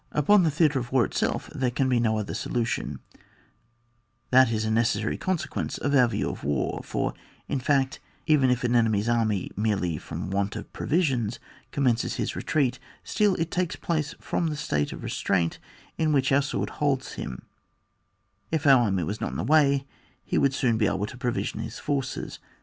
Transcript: Upon the theatre of war itself there can be no other solution ; that is a neces sary consequence of our view of war; for, in fact, even if an enemy's army, merely from want of provisions,^ com mences his retreat, still it takes'^ place from the state of restraint in which our sword holds him ; if our army was not in the way he would soon be able to pro vision his forces.